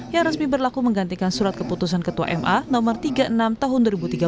yang resmi berlaku menggantikan surat keputusan ketua ma no tiga puluh enam tahun dua ribu tiga belas